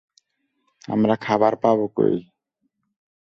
আমরা খাবার পাব কই?